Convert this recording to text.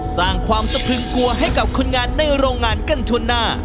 สร้างความสะพึงกลัวให้กับคนงานในโรงงานกันทั่วหน้า